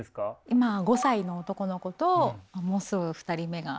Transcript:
今５歳の男の子ともうすぐ２人目が。